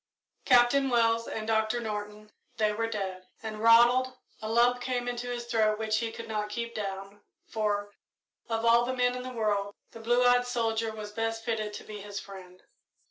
Captain Wells and Doctor Norton they were dead. And Ronald a lump came into his throat which he could not keep down, for, of all the men in the world, the blue eyed soldier was best fitted to be his friend.